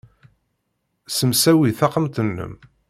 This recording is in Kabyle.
Ssemsawi taxxamt-nnem.